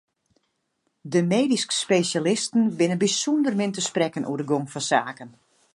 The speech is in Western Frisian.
De medysk spesjalisten binne bysûnder min te sprekken oer de gong fan saken.